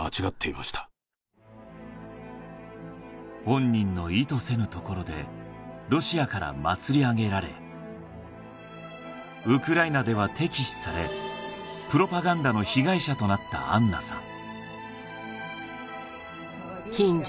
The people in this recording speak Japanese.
本人の意図せぬところでロシアから祭り上げられウクライナでは敵視されプロパガンダの被害者となったアンナさん